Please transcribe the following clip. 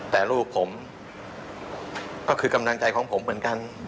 แต่ลูกผมก็คือกำลังใจของผมเหมือนกัน